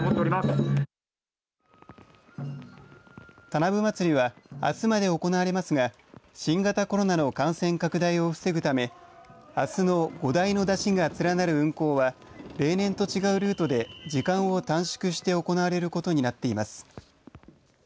田名部まつりはあすまで行われますが新型コロナの感染拡大を防ぐためあすの５台の山車が連なる運行は例年と違うルートで時間を短縮して行われることになっています。